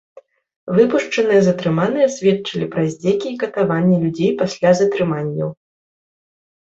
Выпушчаныя затрыманыя сведчылі пра здзекі і катаванні людзей пасля затрыманняў.